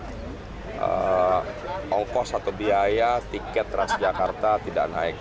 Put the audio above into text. kalau ongkos atau biaya tiket transjakarta tidak naik